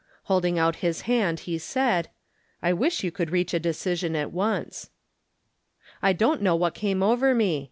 Holding out Ms hand, he said :" I wish you could reach a decision at once." I don't know what came over me.